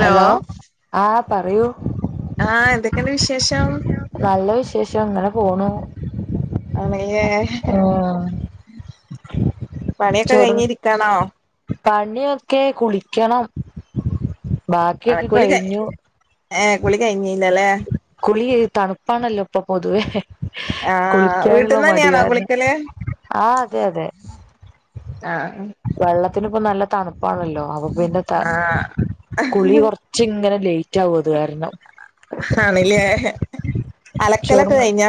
Hello ആഹ് പറയൂ ആഹ് എന്തൊക്കെയുണ്ട് വിശേഷം നല്ല വിശേഷം ഇങ്ങനെ പോണു അണേ ഉം പണിയൊക്കെ ചൊറു കഴിഞ്ഞിരിക്കാണോ? പണിയൊക്കെ കുളിക്കണം ആഹ് ബാക്കിയൊക്കെ കുളിക കഴിഞ്ഞു ഏഹ് കുളിക ഇഞ്ഞല്ലല്ലേ കുളി തണുപ്പാണല്ലോ ഇപ്പൊ പൊതുവേ ആഹ് കുളിക്കാനുള്ള വീട്ടിൽന്ന് മടി തന്നെയാണോ കാരണം കുളിക്കല് ആഹ് അതെ അതെ ആഹ് വെള്ളത്തിന് ഇപ്പ നല്ല തണുപ്പാണല്ലോ അപ്പൊ പിന്നെ ത ആഹ് കുളി കുറച്ച്ങ്ങനെ ലേറ്റ് ആവു അത് കാരണം ആഹ്ന്ന് ല്ലേ അലക്കലൊക്കെ കഴിഞ്ഞാ?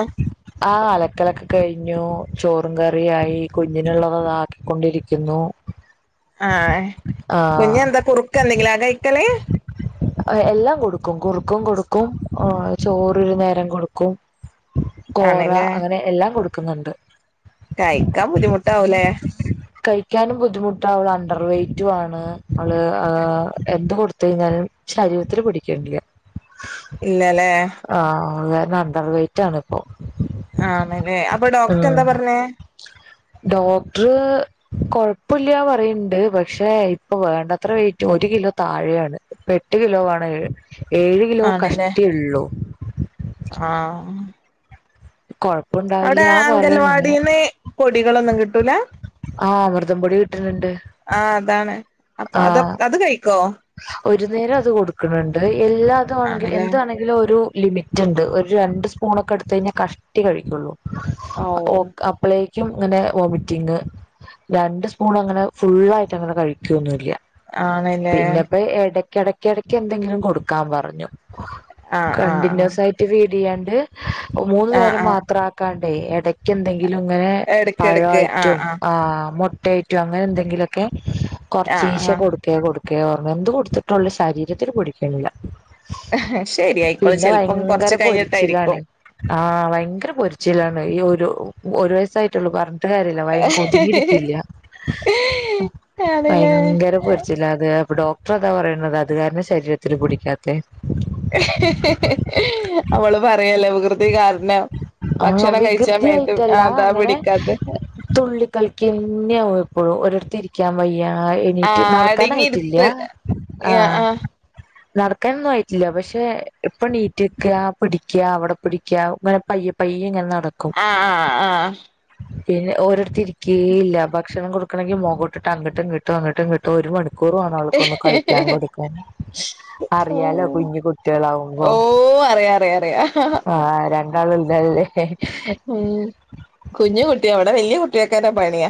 ആഹ് അലക്കലൊക്കെ കഴിഞ്ഞു ചോറും കറിയായി കുഞ്ഞിനുള്ളത്താക്കി ക്കൊണ്ടിരിക്കുന്നു ആഹ്കുഞ്ഞെന്താ കുറുക്കന്തെങ്കില കഴിക്കല് എ എല്ലാം കൊടുക്കും കുറുക്കും കൊടുക്കും ആഹ് ചോറൊരു നേരം കൊടുക്കും കോറ ആണല്ലേ അങ്ങനെ എല്ലാം കൊടുക്കുന്നുണ്ട് കഴിക്കാൻ ബുദ്ധിമുട്ടാവൂലേ? കഴിക്കാനും ബുദ്ധിമുട്ട അവള് അണ്ടർ വെയറ്റു ആണ് അഹ് അഹ് ഞ്ഞാലും ശരീരത്തിത്തില് പിടിക്കലില്ല ഇല്ലല്ലേ ആഹ് അതന്നെ അണ്ടർ വെയറ്റ് ആണ് ഇപ്പൊ ആണല്ലേ അപ്പൊ ഡോക്ടർ ഉം എന്താ പറഞ്ഞേ ഡോക്ട്റ് കൊഴപ്പില്ല പറയ്ണ്ട് പക്ഷെ ഇപ്പൊ വേണ്ടത്ര വേറ്റ് ഒരു കിലോ താഴെയാണ് എട്ട് കിലോ ആണ് ഏഴ് കിലോ ആണല്ലേ കഷ്ടി ഒള്ളൂ ആഹ് കോഴ അവിടെ അംഗൽവാടിന്ന് പൊടികളൊന്നും കിട്ടൂല? ആഹ് അമൃതം പൊടി കിട്ട്ണ്ണ്ട് ആഹ് അതാണ് അപ്പൊ അത് അത് കഴിക്കോ? ഒരു നേരം അത് കൊടുക്ക്ണ്ണ്ട് എല്ലാതും ആണെങ്കിൽ ആണല്ലേ എന്ത് വണെ തിലു ഒരു ലിമിറ്റ് ഇണ്ട് ഒരു രണ്ട് സ്പൂക്കെ എടുത്ത് കഴിഞ്ഞാൽ കഷ്ടി കഴിക്കുള്ളൂ ഓ [unintelligible] അപ്പളെ ക്കും ഇന്നലെ വോമിറ്റിംഗ് രണ്ട് സ്പൂൺ അങ്ങനെ ഫുള്ളായിട്ട് അങ്ങനെ കഴിക്കൊന്നുല്ല ആണല്ലേ പിന്നെപ്പെ എടക്കെടെ എടക്ക് എന്തെങ്കിലും കൊടുക്കാൻ പറഞ്ഞു ആഹ് ആഹ് ആഹ് കണ്ടിന്യൂസ് ആയിട്ട് ഫീടെയ്യാണ്ട് മൂന്നു ആഹ് നേരം ആഹ് മാത്ര ആക്കാണ്ടേ എടക്കെന്തെ ങ്കിലും ഇങ്ങനെ പഴ എടക്കെടക്ക് ആഹ് ആയിട്ടും ആഹ് മുട്ടയിട്ടും അങ്ങനെ എന്തെങ്കിലൊക്കെ ആഹ് കുറച്ചീശെ കൊടുക്ക കൊടുക്കെ എന്ത് കൊടുത്തിട്ടുള്ള ശരീരത്തിൽ പിടിക്കിണില്ല ആഹ് ശരി ആയിക്കോളും പിന്നെ ചെലപ്പം ഭയങ്കര കൊറച്ച് കഴിഞ്ഞിട്ടായിരിക്കും പൊരിച്ചിലാണെ ആഹ് ഭയങ്കര പൊരിച്ചിലാണ് ഈ ഒരു ഒരു വയസായിട്ടുള്ളൂ പറ ഞ്ഞിട്ട് കാര്യല്ല ഭയ ഒതുങ്ങി ഇരിക്കില്ല ആണ്ല്ലേ ഭയങ്കര പൊരിച്ചില്ലത് അപ്പൊ ഡോക്ടറതാ പറയുണത് അത് കാരണ ശരീരത്തി പിടിക്കാത്തെ അവള് പറയല്ലേ വിക് ക്യതി കാരണം ആഹ് ഭക്ഷണം കഴിച്ചാ മേത്ത് വികൃതിയായിട്ടല്ല അതാ അങ്ങനെ പിടിക്കാത്തെ തുള്ളി കളിക്കന്നെ എപ്പളും ഒരിടത്ത് ഇരി ക്കാൻ വയ്യ എണീട്ട് ആഹ് നടക്കാനായിട്ടില്ല അടങ്ങിയിരുത്ത് ആഹ് നടക്കാനൊന്നും ആയ്റ്റില്ല പഷേ ഇപ്പ നീറ്റ്ക്ക പിടിക്കാ അവടെ- പിടിക്കാം ഇങ്ങനെ പയ്യ പയ്യെ ഇങ്ങനെ ന്നട- ആഹ ആ ആഹ പിന്നെ ഓരോരുത്ത് ഇരിക്കേ ഇല്ല ഭക്ഷണം കൊടുക്കണെങ്കി മൊഗൊട്ട്ട്ട് അങ്ങ്ട്ടും ഇങ്ട്ടും- അങ്ങ്ട്ട് ഇങ്ട്ട് ഒരു മണിക്കൂർ വാണം അവൾക്കൊന്ന് കഴിക്കാൻ കൊടുക്കാന്. അറിയാലോ കുഞ് കുട്ട്യേളാവുമ്പോ. ഓ അറിയാ അറിയാ അറിയാ ആഹ രണ്ടാള് വെൽതായില്ലേ. ഉം കുഞ്ഞു കുട്ടിയാ ഇവടെ വെല്ല്യ കുട്ട്യേക്കനെ പണിയാ.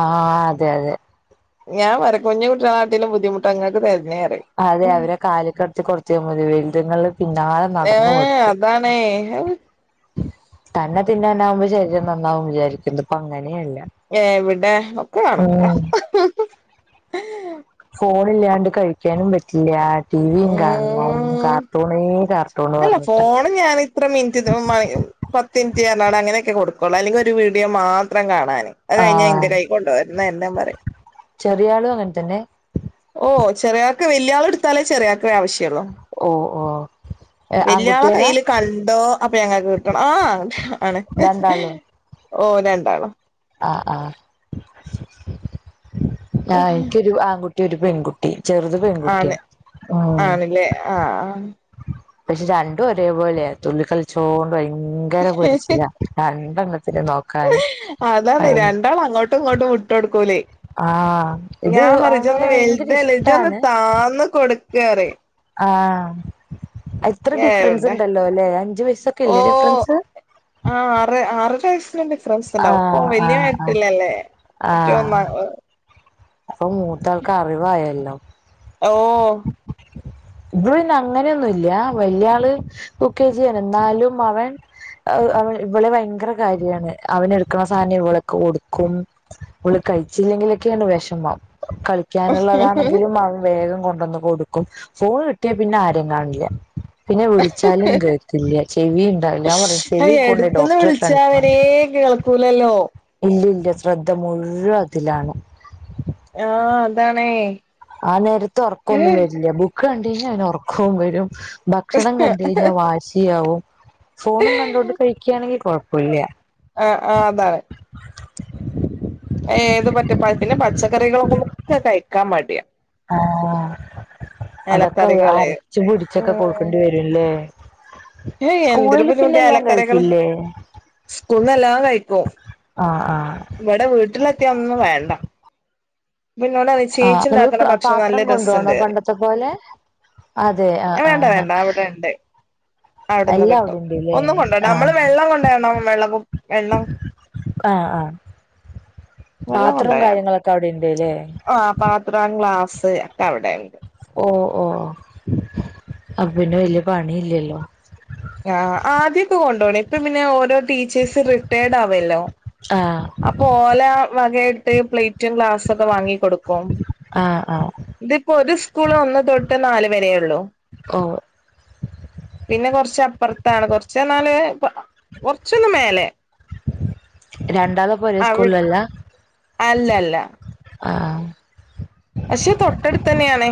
ആഹ അതെ അതെ ഞാൻ വരക്കുഞ്ഞ കുട്ടനാട്ടിലും ബുദ്ധിമുട്ട്ങ്ങക്ക് തരഞ്ഞററി അതെ അവരെ കാല്ക്കട്ത്തി കൊറച്ച് അങ്ങ് പോവും വെൽത്ങ്ങളെ പിനാലെ നടന്നു ഏഹ് കൊടുക്കും. അതാണേ തനെ തിന്നാ നാവുമ്പോ ചെറുതും ന്നന്നാവും വിജാരിക്കും ഇത്പ്പ അങ്ങനെയല്ല. എവിടെ ഒക്കെ കണക്ക ഉം ഹ് ഹ്. ഫോണില്ലാണ്ട് കഴിക്കാനും പറ്റ്ല്ലാ. ടിവിയും കാണണം ഉം കാർട്ടൂണ് കാർട്ടൂണ് അല്ല പറഞ്ഞിട്ട. പത്ത്മിൻറ്റ് പർനാടെ അങ്ങനെക്കെ കൊടുക്കൊള്ളൂ അല്ലെങ്ക ഒരു വീടിയോ മാത്രം കാണാന് അത് ആ കൈഞ്ഞ ഇന്റെ കൈ- കൊണ്ടോര്ന്ന എല്ലാം പറയും. ചെറിയാളും അങ്ങൻ തനെ. ഓ ചെറിയാൾക്ക്‌ വെല്ല്യാളെട്ത്താലേ ചെറിയ- ആവശ്യോള്ളു ഓ ഓ വെല്യാളെ ആൺകുട്ടികളാ കയ്യിൽ- കണ്ടോ അപ്പൊ ഞങ്ങൾക്ക് കിട്ടണം ആ അവന്റെ ഒണക്ക്‌ ഹ് രണ്ടാളും ഓ രണ്ടാളും. ആഹ ആഹ ആ എനിക്കൊരു ആൺകു- ഒരു പെൺകുട്ടി ചെറുത് പെൺകുട്ട്യാ ആണ് ഉം ആണല്ലേ ആഹ് പഷേ രണ്ടും ഒരേപോലെയ തുള്ളി കളിച്ചോണ്ട് ഭയങ്കര പൊരിച്ചിലാ. രണ്ടെണ്ണത്തിനെ ന്നോക്കാന്. അതാണ് രണ്ടാളും അങ്ങോട്ടും ഇങ്ങോട്ടും വിട്ട് കൊടുക്കൂലേ. ആ ഇത് ഞാ പറയും ഇജ്ജ്‌ അങ്ങനെ ഒന്ന് ഭയങ്കര വെൽതെല്ലേഇജ്ജോന്ന് താന്ന് കൊട്ക്കറയും. ആഹ എത്ര ഡിഫ്രെൻസ് എവിടെ ഇണ്ടല്ലോല്ലെ അഞ്ച് വയസ്സൊക്കെ ഇല്ലേ ഡിഫ്രെൻസ്. ആ ആറ് ആറര വയസ്സിന് ഡിഫ്രേ- ഫ്രൻസ് ആ ണ്ടാവും ഇപ്പൊ ആ വെല്യേ ആ മെര്ട്ടില്ലല്ലേ ആ മറ്റേ ഒന്ന- അപ്പൊ മൂത്താൾക്ക് അറിവായല്ലോ. ഓ ഇത് പിനെ അങ്ങനെയൊന്നുല്ല വല്യാള് യുക്കേജിയാണ് എന്നാലും അവൻ. അത് അവള് ഇവളെ വയങ്കര കാര്യാണ് അവനെട്ക്കണ സാനം ഇവള് കൊടുക്കും ഇവള് കഴിച്ചില്ലെങ്കിലൊക്കെയാണ് വെഷമം കളി- ക്കാനുള്ളതാണെങ്കിലും അവൻ വേഗം കൊണ്ടന്ന് കൊടുക്കും ഫോണ് കിട്ട്യാ പിനെ ആരേം കാണില്ല. പിനെ വിളിച്ചാലും കേക്ക്‌ല്ല ചെവി ഇണ്ടാവില്ല ഞാൻ പറയും ചെവി കൊണ്ടോയി ഡോക്ടറെ കാണിക്ക. ഏമ്പിവളം കൂലല്ലോ ഇല്ല ഇല്ല ശ്രദ്ധ മുഴുവൻ അതിലാണ്. ആഹ അതാണേയ്. ആ നേരത്ത് ഒറക്കൊന്നും വെരില്ല ബുക്ക് കണ്ടയ്ഞ്ഞാ അവന് ഒറക്കോം വെരും. ഭക്ഷണം കണ്ടയ്ഞ്ഞാ വാശിയാവും ഫോണും കണ്ടോണ്ട് കഴിക്ക്യേണെങ്കി കൊഴപ്പുല്ല. ആഹ ആഹ് അതാണ്. ഏത് പറ്റപ്പാ പിന്നെ പച്ചക്കറികളൊക്ക കഴിക്കാൻ മടിയ. ആഹ് അതൊക്കെ എലക്കറികള് അരച്ച പിടിച്ചൊക്കെ ഉം കൊടുക്കണ്ടി വരു ല്ലേ ഏയ് എന്തൊരു ബുദ്ധിമുട്ടിയ എലക്കറികള് കഴിക്കില്ലേ സ്കൂൾന്ന് എല്ലാം കഴിക്കും ആഹ് ആഹ് വടെ വീട്ടിലെത്തിയാ ഒന്നും വേണ്ട അപ്പന്നോടറ്യും ആ നമ്മള് ചേച്ചിണ്ടാക്കണ ഭക്ഷണം പാത്രം നല്ല രസംണ്ട് കൊണ്ടുപോണോ റിം പണ്ടത്തെ പോലെ അതെ ആ ആ വേണ്ട വേണ്ട അവിടെ ഇണ്ട് അവിടെന്ന് എല്ലാം അവിടെ കിട്ടും ഉണ്ട്ല്ലേ ഒന്നും കൊണ്ടോണ്ട, നമ്മള് വെള്ളം കൊണ്ട് വരണം വെള്ളംകു ആഹ് ആഹ് പാത്രം കാര്യങ്ങളൊക്കെ അവിടെ ഇ ണ്ട്ല്ലേ ആ പാത്രം ഗ്ലാസ് ഒക്കെ അവിടെ ണ്ട് ഓഹ് ഓഹ് ഒ അപ്പോ പിന്ന വലിയ പണി ഇല്ലല്ലോ ആഹ് ആദ്യൊക്കെ കൊണ്ടോണെ ഇപ്പ പിന്നെ ഓരോ ടീച്ചേഴ്സ് റിട്ടേർടാവല്ലോ ആഹ് അപ്പോല വകായിട്ട് പ്ലേറ്റും ഗ്ലാസൊക്കെ വാങ്ങിക്കൊടുക്കും ആഹ് ആഹ് തിപ്പോ ഒരു സ്കൂള് ഒന്ന് തൊട്ട് നാല് വരേ ഒള്ളൂ ഉവ്വ് പിന്നെകൊർച്ചപ്പർത്താണ് കൊർച്ച് ർഞ്ഞാല് കൊർച്ചൊന്ന് മേലെ രണ്ടാളുപ്പൊരേ അവി സ്കൂൾലല്ല അല്ലല്ല ആഹ് പക്ഷേ തൊട്ടടുത്തന്നേണ്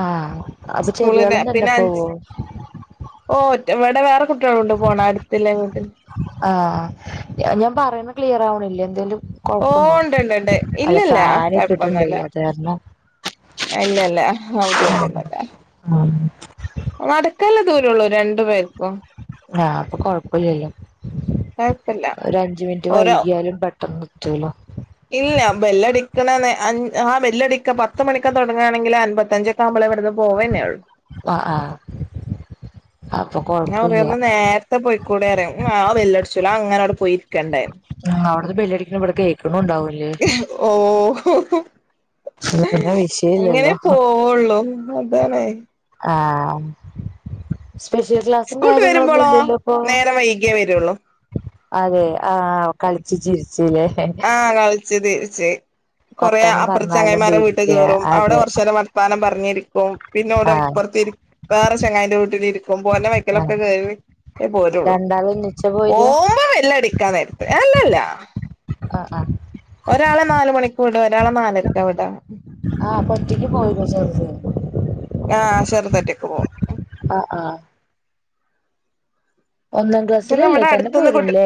ആഹ് അപ്പൊ ചെറിയാളും തന്നെ പോവോ ഓഹ് ഒറ്റ വെടെ വേറെ കുട്ട്യാളുണ്ട്, പോണ അടുത്തില്ല വീട്ടിൽ ആഹ് ഞാൻ ഞാൻ പറയുന്ന ക്ലിയറാവണില്ലേ എന്തേലും കൊഴപ്പുണ്ടോ ഓഹ് ണ്ട്ണ്ട്ണ്ട് അല്ല ഇല്ലല്ല ഫാൻ ഇട്ടിട്ടുണ്ട് കൊഴപ്പൊന്നുല്ല അത് കാരണം ഏഹ് ഇല്ലല്ല അഹ് ബുദ്ധിമുട്ടൊന്നുല്ല ആഹ് നടക്കാല്ല ദൂരള്ളൂ രണ്ടു പേർകും ആഹ് അപ്പൊ കൊഴപ്പല്ലല്ലോ കൊഴപ്പല്ല ഒരഞ്ച് മിൻറ്റ് ഓരോ വൈകിയാലും പെട് ട്ടൊന്നെത്തുമ്പോ ഇല്ല ബെല്ലടിക്കണനേ ആ ബെല്ലടിക്ക പത്ത് മണിക്ക തൊടങ്ങാണെങ്കിലൻപത്തഞ്ച് നമ്മളെ ഇവിടുന്ന് പോവന്നെ ഒള്ളൂ ആ ആഹ് അപ്പൊ ഞാൻ പറയു കൊഴപ്പില്ല ഒന്ന് നേര്ത്തെ പോയിക്കൂടെറയും ആ ബെല്ലട്ച്ചുല അങ്ങനെ അവിടെ പോയി ആഹ് അവിടുന്ന് ബെല്ലടിക്കണ ബടെ കേക്ക്ണു ണ്ടാവുലേ ഓഹ് പിന്നെ അങ്ങനെ വിഷയല്ലല്ലോ പോവുള്ളൂ അതാണേ ആഹ് സ്പെഷ്യൽ ക്ലാസും സ്കൂൾട്ട് കാര്യങ്ങളൊന്നും വരുമ്പോളോ ഇല്ലല്ലോ പ്പൊ നേരം വൈകിയേ വരുള്ളൂ അതെ ആഹ് കൾച്ച് ചിരിച്ചില്ലേ ആഹ് കളിച്ചു തിരിച്ച് കൊറേ വർത്താനം പറഞ്ഞാലും അപ്പർത്തെചെങ്ങായിമാരെ വീട്ടു തീരില്ല കേറും, അവിടെ അതെ കൊർച്ചേരം വർത്താനം പർഞ്ഞിരിക്കും. പിന്നെ ഓന്റെ ആഹ് ഇപ്പർത്തിര് വേറെ ചെങ്ങായ്ന്റെ വീട്ടിലിരിക്കും പോര്ന വൈക്കലൊക്കെ ആഹ് കേറി ട്ടേ പോരുള്ളു. രണ്ടാളും ഒന്നിച്ചാ പോരാ പോവുമ്പോ ബെല്ലടിക്കാൻ നേര്ത്ത് അല്ലല്ല ആ അഹ് ഒരാളെ നാല് മണിക്ക്വ്ടും ഒരാളെ നാലരക്കാ വിടാ ആഹ് അപ്പൊറ്റക്ക് പോയ്ര്ഓ ചെറ്ത് ആഹ് ചെറുതൊറ്റക്ക് പോവും ആഹ് ആഹ് ഒന്നാം പിന്നെ ക്ലാസ്സിലല്ലേ തന്നെ പോരുംല്ലേ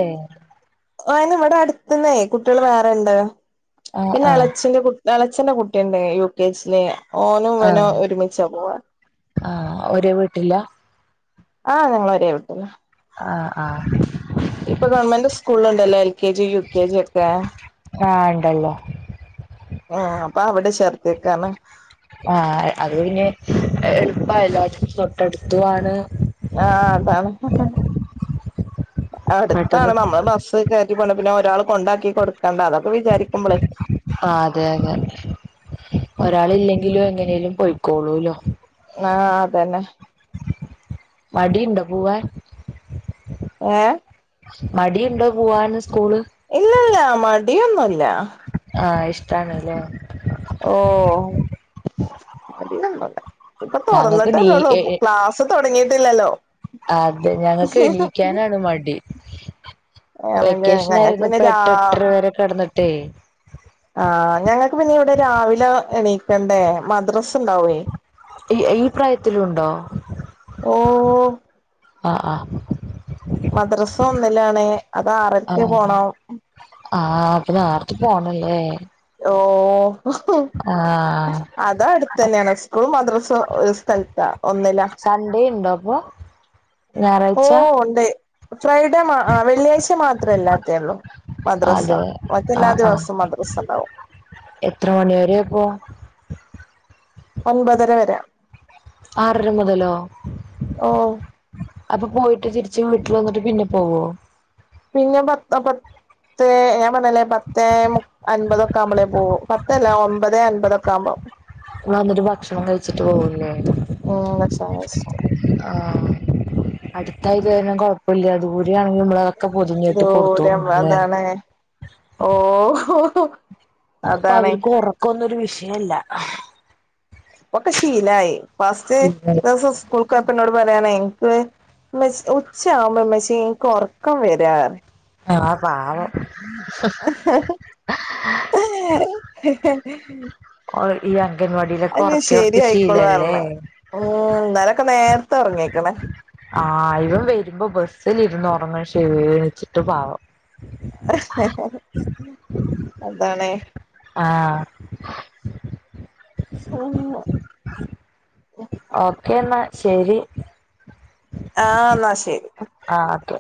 ഓനിവിടടുത്തന്നെ കുട്ടികള് വേറ്ണ്ട് ആഹ് ആഹ് പിന്നെളേച്ചന്റെ കു എളേച്ചന്റെ കുട്ടിയ്ണ്ടേ യു കെ ജില് ഓനും ആഹ് ഇവനും ഒരുമിച്ചാ പോവാ ആഹ് ഒരേ വീട്ടിലാ ആഹ് ഞങ്ങളൊരേ വീട്ടിലാ ആഹ് ആഹ് ഇപ്പൊ ഗവൺമെന്റ് സ്കൂളില്ണ്ടല്ലോ എൽ കെ ജിയും യു കെ ജിയൊക്കെ ആഹ് ഇണ്ടല്ലോ ആഹ് അപ്പവിടെ ചേർത്തേക്കാണ് ആഹ് അത് പിന്നെ എളുപ്പായല്ലോ തൊട്ടടുത്തുആണ് ആഹ് അതാണ് അടുത്താണ് പെട്ടെന്ന് നമ്മളെ ബസ്സ് കേറ്റി പോണം പിന്നൊരാള് കൊണ്ടാക്കിക്കൊട്ക്കണ്ട അതൊക്കെ വിചാരിക്കുമ്പളേ ആഹ് അതെയതെ ഒരാളില്ലെങ്കിലും എങ്ങനെലും പൊയ്ക്കോളൂല്ലോ ആഹ് അതന്നെ മടിയുണ്ടാ പോവാൻ ഏ മടിയുണ്ടോ പൂവാൻന്ന് സ്കൂള് ഇല്ലല്ല മടിയൊന്നുല്ല ആഹ് ഇഷ്ടാണ്ല്ലേ ഓഹ് മടിയൊന്നുല്ല ഇപ്പ ഞങ്ങക്ക് നീ തൊറന്ന്ട്ടല്ലുള്ളൂ ക്ലാസ് തൊടങ്ങിട്ടില്ലല്ലോ അതെ ഞങ്ങക്കെണീക്കാനാണ് മടി പിന്നെ ഞങ്ങൾക്ക് പിന്നെ വെക്കേഷനായിരുന്നപ്പ രാ എട്ടെട്ടര വരെ കെടന്നിട്ടേ ആഹ് ഞങ്ങക്ക് പിന്നെ ഇവിടെ രാവിലെ എണീക്കണ്ടേ മദ്രസ്ണ്ടാവേ ഈ ഈ പ്രായത്തിലുണ്ടോ ഓ ആഹ് ആഹ് മദ്രസ ഒന്നില്ലാണ് അതാറരക്ക് ആഹ് പോണം ആഹ് അപ്പൊ നേർത്തെ പോണല്ലേ ഓഹ് ഒഹോ ആഹ് അടുത്തന്നെയാണ് സ്കൂളും മദ്രസ ഒര്സ്ഥലത്താ ഒന്നിലാ സൺ‌ഡേയ്ണ്ടോപ്പൊ ഓ ഞായറാഴ്ച്ച ഉണ്ട് ഫ്രൈഡേ മാ വെള്ളിയാഴ്ച മാത്രേല്ലാത്തോള്ളൂ മദ്രസ അതെ ബാക്കിയെല്ലാ ആഹ് ആഹ് ദിവസവും മദ്രസണ്ടാവും എത്ര മണി വരെയാപ്പൊ ഒൻപതര വരെ ആറര മുതലോ ഓ അപ്പൊ പോയിട്ട് തിരിച്ച് വീട്ടില് വന്നിട്ട് പിന്നെ പോവോ പിന്നെ പത്ത് പ ത്തേ ഞാൻ പറഞ്ഞില്ലേ പത്തേമു അൻപതൊക്കാവുമ്പളേ പോകു പത്തല്ല ഒൻ ൻപതേ അൻപതൊക്കാവുമ്പം വന്നിട്ട് ഭക്ഷണം കഴിച്ചിട്ട് പോകുംലേ ഉം ഭക്ഷണം ആഹ് അടുത്തായത് കാരണം കൊഴപ്പില്ല ദൂരെയാണെങ്കിൽ നമ്മള് ഒക്കെ പൊതിഞ്ഞ്കെട്ടി കൊടുത്തുവിടണംല്ലെ ഓഹോ ഹോ അപ്പവ്ര്ക്ക് ഒറക്കൊന്നൊരു വിഷയല്ല. ഒക്കെ ശീലായി ഫസ്റ്റ് ദവസം സ്കൂൾക്കപ്പ ന്നോട് പറയാണ എനിക്ക്, [unintelligible] ഉച്ച ആകുമ്പോ മ്മച്ചി ന്ക്ക് ഉറക്കം വരാ. ആഹ് പാവം [inaudible] [inaudible] [unintelligible] ഈ അംഗൻവാടിയിലൊക്കെ ഇനി ഒറക്കി ഒറക്കി ശരിയായിക്കോളും ശീലല്ലേ. പറഞ്ഞ് ഉം ഇന്നലൊക്കെ നേരത്തെ ഉറങേക്കണ്. ആ ഇവൻ വരുമ്പോ ബസ്സിൽ ഇരുന്ന് ഒറങ്ങും ക്ഷീണിച്ചിട്ട് പാവം. അതാണെ. ആഹ്. [unintelligible] ഓക്കേ എന്നാ, ശരി. ആഹ് എന്നാ ശരി. ആ തെ.